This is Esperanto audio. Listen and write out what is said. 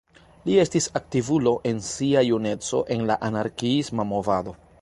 Li estis aktivulo en sia juneco en la anarkiisma movado.